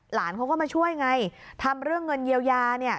หลานเขาก็มาช่วยไงทำเรื่องเงินเยียวยาเนี่ย